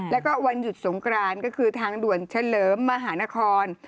แล้วก็วันหยุดสงกรานก็คือทางด่วนเฉลิมมหานคร